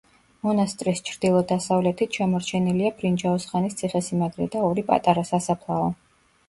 მონასტრის ჩრდილო-დასავლეთით შემორჩენილია ბრინჯაოს ხანის ციხესიმაგრე და ორი პატარა სასაფლაო.